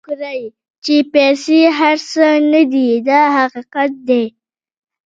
پام وکړئ چې پیسې هر څه نه دي دا حقیقت دی.